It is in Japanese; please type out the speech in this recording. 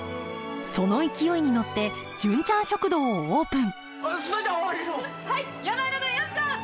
その勢いに乗って「純ちゃん食堂」をオープンそいじゃわしも！